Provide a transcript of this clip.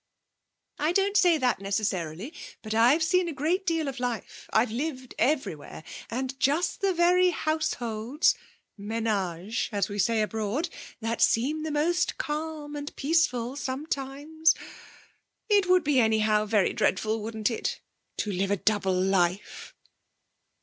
'I don't say that, necessarily. But I've seen a great deal of life. I've lived everywhere, and just the very households ménages, as we say abroad that seem most calm and peaceful, sometimes It would be, anyhow, very dreadful, wouldn't it to live a double life?'